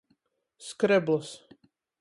Skrebls.